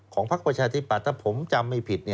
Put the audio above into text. พักประชาธิปัตย์ถ้าผมจำไม่ผิด